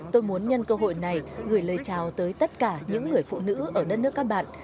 tôi muốn nhân cơ hội này gửi lời chào tới tất cả những người phụ nữ ở đất nước các bạn